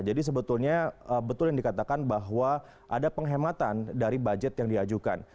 jadi sebetulnya betul yang dikatakan bahwa ada penghematan dari budget yang diajukan